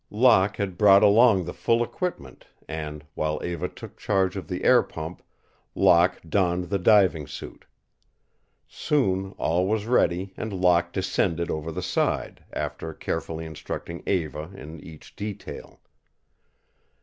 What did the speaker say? Locke had brought along the full equipment, and, while Eva took charge of the air pump, Locke donned the diving suit. Soon all was ready and Locke descended over the side, after carefully instructing Eva in each detail.